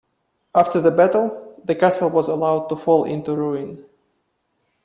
After the battle, the castle was allowed to fall into ruin.